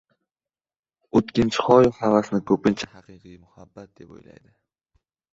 o‘tkinchi hoyu havasni ko‘pincha haqiqiy Muhabbat deb o‘ylaydi.